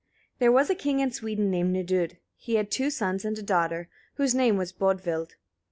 There was a king in Sweden named Nidud: he had two sons and a daughter, whose name was Bodvild.